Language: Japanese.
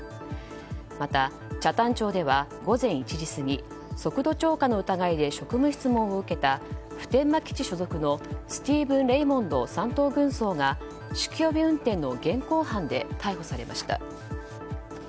また北谷町では午前１時過ぎ速度超過の疑いで職務質問を受けた普天間基地所属のスティーブン・レイモンド三等軍曹が酒気帯び運転の現行犯で逮捕されました。